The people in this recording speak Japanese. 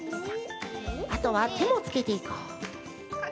あとはてもつけていこう。